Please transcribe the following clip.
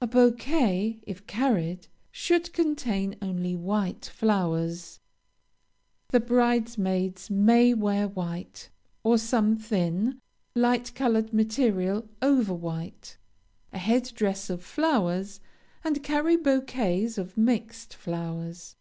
A bouquet, if carried, should contain only white flowers. The bridesmaids may wear white, or some thin, light colored material over white, a head dress of flowers, and carry bouquets of mixed flowers.